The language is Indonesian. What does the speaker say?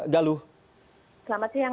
galuh selamat siang